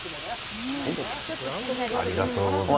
ありがとうございます。